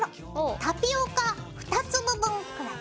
タピオカ２粒分くらい。